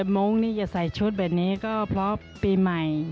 โม้งจะใส่ชุดแบบนี้ก็เพราะปีใหม่